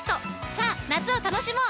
さぁ夏を楽しもう！